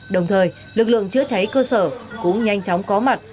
đồng thời lực lượng chữa cháy cơ sở cũng nhanh chóng có mặt